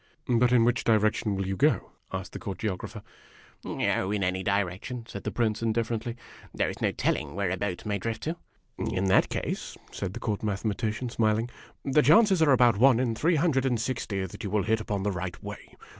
" But in which direction will you go?" asked the Court Geographer. " Oh, in any direction !" said the Prince, indifferently. " There is no telling where a boat may drift to." "In that case," said the Court Mathematician, smiling, "the chances are about one in three hundred and sixty that you will hit upon the right way.